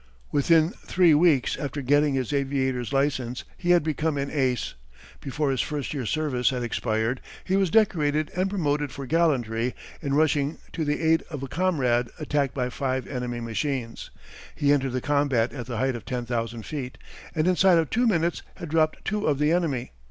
Within three weeks after getting his aviator's license he had become an "Ace." Before his first year's service had expired he was decorated and promoted for gallantry in rushing to the aid of a comrade attacked by five enemy machines. He entered the combat at the height of ten thousand feet, and inside of two minutes had dropped two of the enemy.